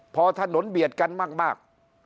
พอถนนเบียดกันมาก